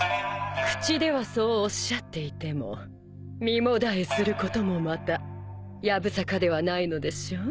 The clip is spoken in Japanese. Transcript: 口ではそうおっしゃっていても身もだえすることもまたやぶさかではないのでしょう？